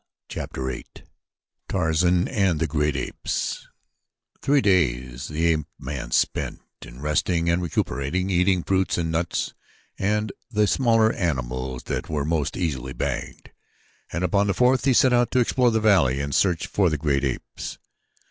Chapter VIII Tarzan and the Great Apes Three days the ape man spent in resting and recuperating, eating fruits and nuts and the smaller animals that were most easily bagged, and upon the fourth he set out to explore the valley and search for the great apes.